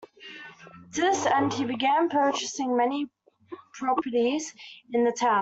To this end he began purchasing many properties in the town.